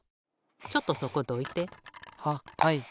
ちょっとそこどいて。ははい。